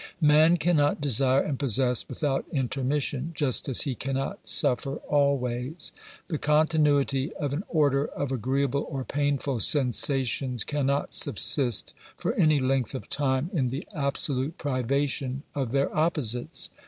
Man cannot desire and possess without intermission, just as he cannot suffer always. The continuity of an order of agreeable or painful sensations cannot subsist for any length of time in the absolute privation of their opposites.